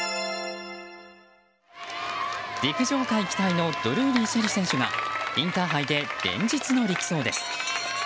陸上界期待のドルーリー朱瑛里選手がインターハイで連日の力走です。